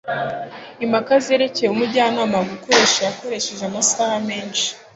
impaka zerekeye umujyanama gukoresha yakoresheje amasaha menshi